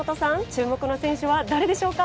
注目の選手は誰でしょうか？